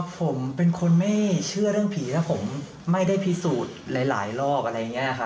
ผมเป็นคนไม่เชื่อเรื่องผีแล้วผมไม่ได้พิสูจน์หลายรอบอะไรอย่างนี้ครับ